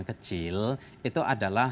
kecil itu adalah